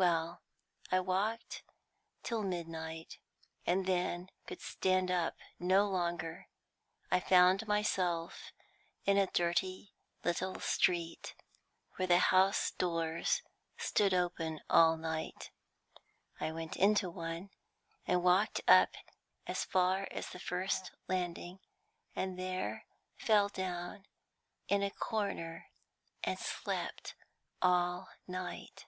Well, I walked till midnight, and then could stand up no longer. I found myself in a dirty little street where the house doors stood open all night; I went into one, and walked up as far as the first landing, and there fell down in a corner and slept all night."